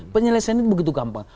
penjelasan ini begitu gampang